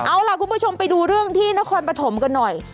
เอาล่ะคุณผู้ชมไปดูเรื่องที่นครปฐมกันหน่อย